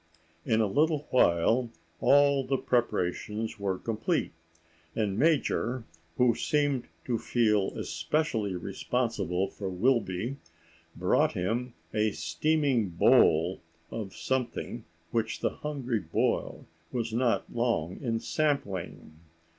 In a little while all the preparations were complete, and Major, who seemed to feel especially responsible for Wilby, brought him a steaming bowl of something which the hungry boy was not long in sampling.